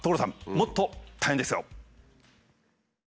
もっと大変ですよ。